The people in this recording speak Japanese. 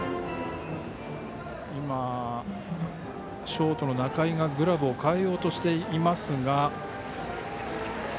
ショートの仲井がグラブをかえようとしましたが。